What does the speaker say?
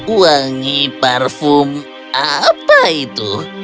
wangi parfum apa itu